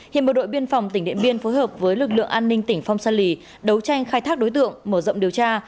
hiện bộ đội biên phòng tỉnh điện biên phối hợp với lực lượng an ninh tỉnh phong sa lì đấu tranh khai thác đối tượng mở rộng điều tra